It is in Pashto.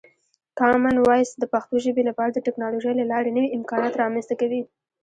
کامن وایس د پښتو ژبې لپاره د ټکنالوژۍ له لارې نوې امکانات رامنځته کوي.